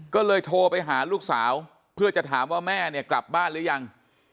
ก็เลยโทรไปหาลูกสาวเพื่อจะถามว่าแม่เนี่ยกลับบ้านหรือยัง